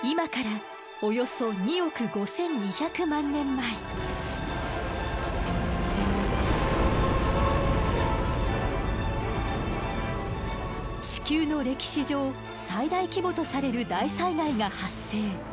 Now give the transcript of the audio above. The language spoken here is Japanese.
今から地球の歴史上最大規模とされる大災害が発生。